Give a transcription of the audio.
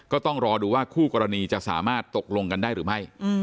ก็ต้องรอดูว่าคู่กรณีจะสามารถตกลงกันได้หรือไม่